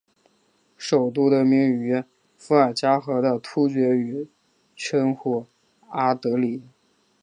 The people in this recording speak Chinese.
首都得名于伏尔加河的突厥语称呼阿的里。